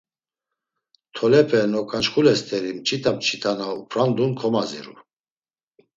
Tolepe noǩançxule st̆eri mçita mçita na uprandun komaziru.